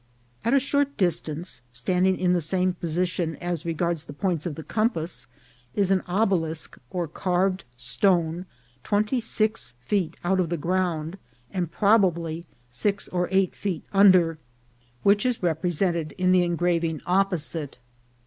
At a short distance, standing in the same position as regards the points of the compass, is an obelisk or carv ed stone, twenty six feet out of the ground, and proba bly six or eight feet under, which is represented in the VOL. II.— Q, 11 122 INCIDENTS OF TRAVEL. engraving opposite.